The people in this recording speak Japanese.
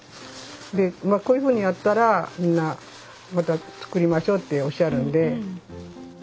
でまあこういうふうにやったらみんなまた作りましょうっておっしゃるんで。